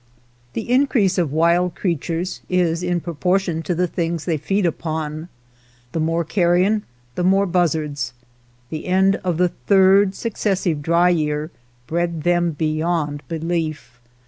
The increase of wild creatures is in pro 47 THE SCAVENGERS portion to the things they feed upon : the more carrion the more buzzards. The end of the third successive dry year bred them beyond belief.